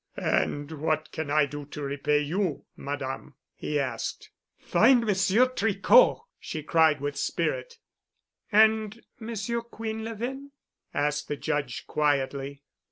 "And what can I do to repay you, Madame?" he asked. "Find Monsieur Tricot!" she cried with spirit. "And Monsieur Quinlevin?" asked the Judge quietly.